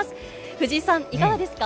藤井さん、いかがですか？